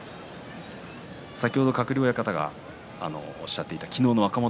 先ほど鶴竜親方がおっしゃっていた昨日の若元